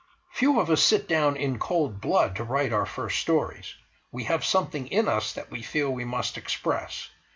Few of us sit down in cold blood to write our first stories; we have something in us that we feel we must express.